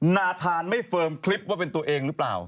นาธานไม่เฟิร์มคลิปว่าเป็นตัวเองหรือเปล่า